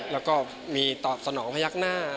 แล้วก็มีตอบสนองพยักหน้า